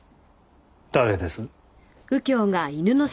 誰です？